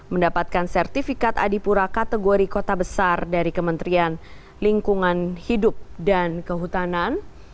dua ribu dua puluh tiga mendapatkan sertifikat adipura kategori kota besar dari kementerian lingkungan hidup dan kehutanan